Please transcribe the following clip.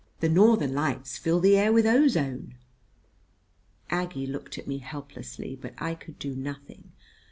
"The Northern Lights fill the air with ozone." Aggie looked at me helplessly; but I could do nothing.